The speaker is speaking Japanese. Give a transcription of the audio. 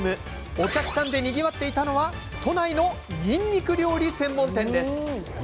お客さんでにぎわっていたのは都内のにんにく料理専門店です。